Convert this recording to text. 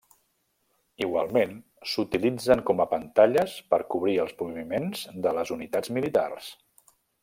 Igualment, s'utilitzen com a pantalles per cobrir els moviments de les unitats militars.